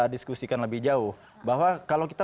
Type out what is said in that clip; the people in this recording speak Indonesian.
diskusikan lebih jauh bahwa kalau kita